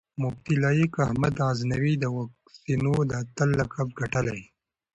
مفتي لائق احمد غزنوي د واکسينو د اتل لقب ګټلی